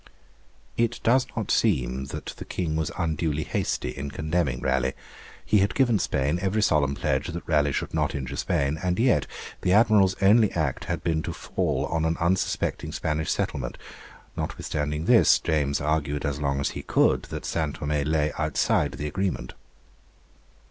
It does not seem that the King was unduly hasty in condemning Raleigh. He had given Spain every solemn pledge that Raleigh should not injure Spain, and yet the Admiral's only act had been to fall on an unsuspecting Spanish settlement; notwithstanding this, James argued as long as he could that San Thomé lay outside the agreement.